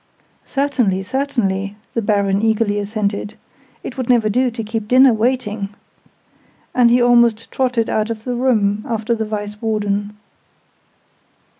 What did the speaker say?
"Certainly, certainly!" the Baron eagerly assented. "It would never do to keep dinner waiting!" And he almost trotted out of the room after the Vice Warden.